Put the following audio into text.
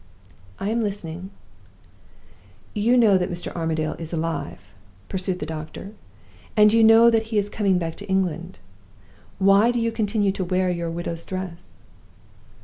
"I am listening." "You know that Mr. Armadale is alive," pursued the doctor, "and you know that he is coming back to England. Why do you continue to wear your widow's dress?"